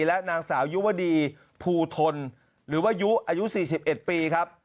และนางสาวยุวดีภูทนหรือว่ายุอายุ๔๑ปีครับ